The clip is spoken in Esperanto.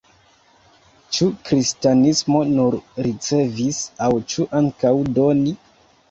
Ĉu kristanismo nur ricevis aŭ ĉu ankaŭ doni?